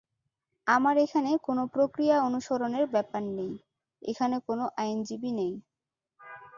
আমার এখানে কোনো প্রক্রিয়া অনুসরণের ব্যাপার নেই, এখানে কোনো আইনজীবী নেই।